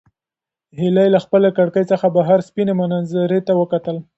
هیلې له خپلې کړکۍ څخه بهر سپینې منظرې ته وکتل.